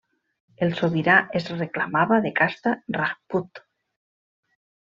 El sobirà es reclamava de casta rajput.